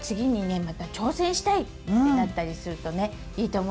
「また挑戦したい」ってなったりするとねいいと思います。